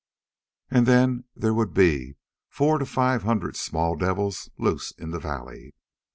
And then there would be four to five hundred small devils loose in the valley.